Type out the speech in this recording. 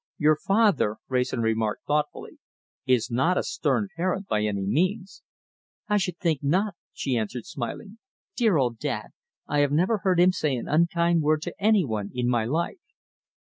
"Your father," Wrayson remarked thoughtfully, "is not a stern parent by any means." "I should think not," she answered, smiling. "Dear old dad! I have never heard him say an unkind word to any one in my life."